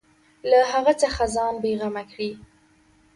له هغه څخه ځان بېغمه کړي.